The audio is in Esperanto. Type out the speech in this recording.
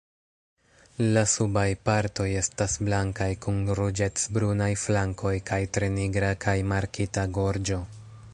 La subaj partoj estas blankaj kun ruĝecbrunaj flankoj kaj tre nigra kaj markita gorĝo.